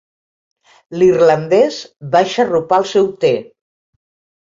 L'irlandès va xarrupar el seu té.